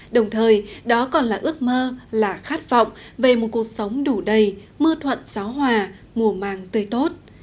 đồng thời đó còn là ước mơ là khát vọng về một cuộc sống đủ đầy mưa thuận gió hòa mùa màng tươi tốt